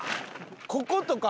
こことか。